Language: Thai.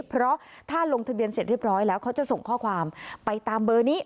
เพราะถ้าลงทะเบียนเสร็จเรียบร้อยแล้วเขาจะส่งข้อความไปตามเบอร์นี้